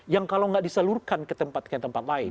yang kalau tidak diseluruhkan ke tempat lain